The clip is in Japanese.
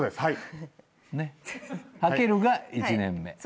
はけるが１年目。